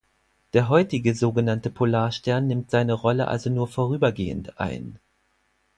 Der heutige sogenannte Polarstern nimmt seine Rolle also nur vorübergehend ein.